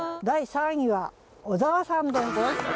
第３位は小沢さんです。